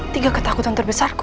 tiga ketakutan terbesarku